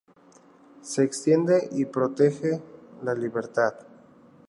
Se extiende y protege la libertad.